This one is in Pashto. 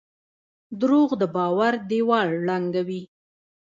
دروغ د باور دیوال ړنګوي.